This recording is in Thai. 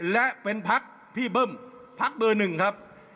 และเป็นพักพี่เบิ้มพักเบอร์หนึ่งครับ